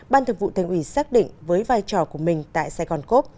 ban thực vụ thành ủy xác định với vai trò của mình tại sài gòn cốp